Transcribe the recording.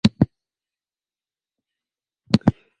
Der hawwe al earder útjeften west fan it folsleine wurk fan Japicx.